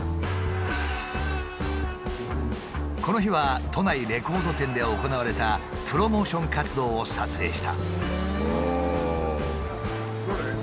この日は都内レコード店で行われたプロモーション活動を撮影した。